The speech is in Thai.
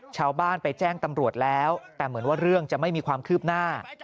ชาวบ้านไปแจ้งตำรวจแล้วแต่เหมือนว่าเรื่องจะไม่มีความคืบหน้า